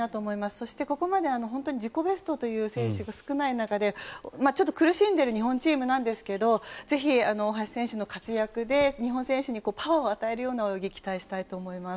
そしてここまで自己ベストという選手が少ない中でちょっと苦しんでいる日本チームなんですけどぜひ、大橋選手の活躍で日本選手にパワーを与えるような泳ぎを期待したいと思います。